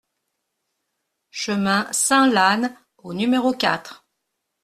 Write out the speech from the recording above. Chemin Saint-Lannes au numéro quatre